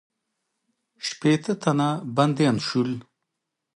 شپېته تنه بندیان شول.